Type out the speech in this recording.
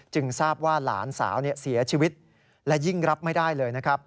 ทราบว่าหลานสาวเสียชีวิตและยิ่งรับไม่ได้เลยนะครับ